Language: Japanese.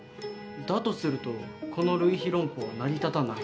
だとするとこの類比論法は成り立たない。